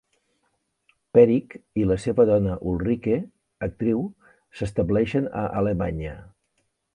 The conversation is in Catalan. Perick i la seva dona Ulrike, actriu, s'estableixen a Alemanya.